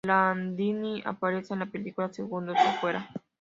Landini aparece en la película "¡Segundos afuera!